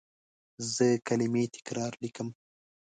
زه کلمې تکرار لیکم.